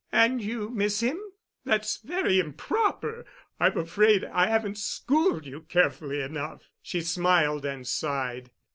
"And you miss him? That's very improper. I'm afraid I haven't schooled you carefully enough." She smiled and sighed.